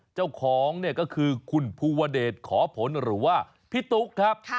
เจ้าของเนี่ยก็คือคุณภูวเดชขอผลหรือว่าพี่ตุ๊กครับ